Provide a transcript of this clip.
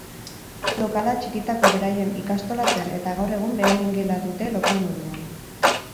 Lokala txikitako beraien ikastola zen eta gaur egun beraien gela dute lokal moduan.